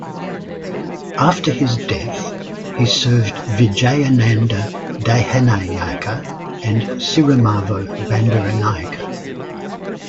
After his death, he served Vijayananda Dahanayake and Sirimavo Bandaranaike.